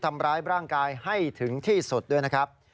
ทำร้ายร่างกายให้ถึงที่สุดด้วยนะครับ